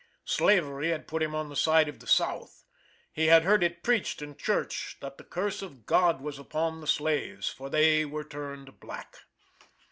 Slavery had put him on the side of the South. He had heard it preached in church that the curse of God was upon the slaves, for they were turned black.